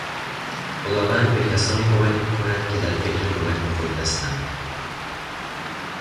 خداوند به کسانی کمک میکند که در فکر کمک به خود هستند.